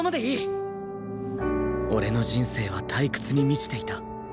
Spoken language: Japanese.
俺の人生は退屈に満ちていた